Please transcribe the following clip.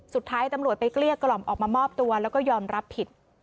สุดท้ายตำรวจไปเกลี้ยกล่อมออกมามอบตัวแล้วก็ยอมรับผิด